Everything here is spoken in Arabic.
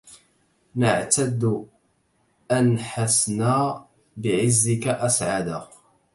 نعتد أنحسنا بعزك أسعدا